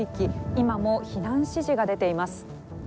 今も避難指示が出ています。